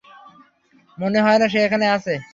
মনে হয় না সে এখানে আছে।